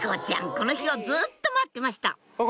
この日をずっと待ってました